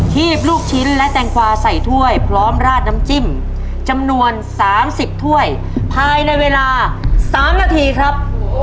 ีบลูกชิ้นและแตงกวาใส่ถ้วยพร้อมราดน้ำจิ้มจำนวน๓๐ถ้วยภายในเวลา๓นาทีครับ